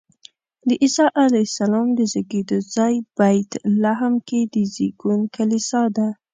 د عیسی علیه السلام د زېږېدو ځای بیت لحم کې د زېږون کلیسا ده.